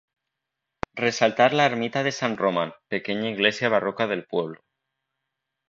Resaltar la ermita de San Román, pequeña iglesia barroca del pueblo.